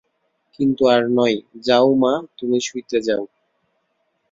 কিন্তু আর নয়, যাও মা, তুমি শুইতে যাও।